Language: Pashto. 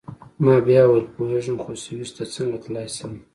ما بیا وویل: پوهیږم، خو سویس ته څنګه تلای شم؟